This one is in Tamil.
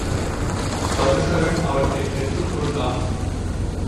தருசகன் அவற்றைப் பெற்றுக் கொண்டான்.